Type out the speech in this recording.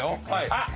あっ！